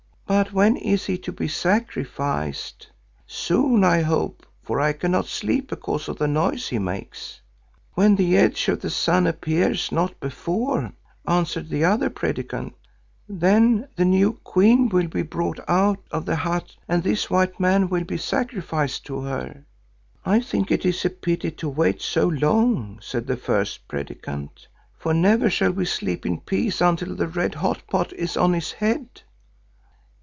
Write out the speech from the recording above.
'But when is he to be sacrificed? Soon, I hope, for I cannot sleep because of the noise he makes.' "'When the edge of the sun appears, not before,' answered the other Predikant. 'Then the new queen will be brought out of the hut and this white man will be sacrificed to her.' "'I think it is a pity to wait so long,' said the first Predikant, 'for never shall we sleep in peace until the red hot pot is on his head.